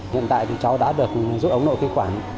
hiện tại thì cháu đã được rút ống nội khí quản